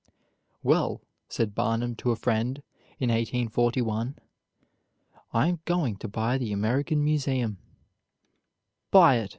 "Well," said Barnum to a friend in 1841, "I am going to buy the American Museum." "Buy it!"